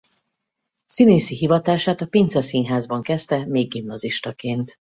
Színészi hivatását a Pince Színházban kezdte még gimnazistaként.